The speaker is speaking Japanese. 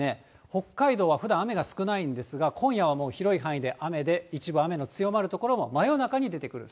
北海道はふだん雨が少ないんですが、今夜はもう広い範囲で雨で、一部雨の強まる所も真夜中に出てくる。